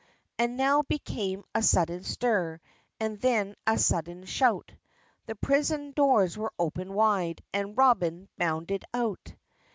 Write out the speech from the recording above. And now began a sudden stir, And then a sudden shout, The prison doors were opened wide, And Robin bounded out!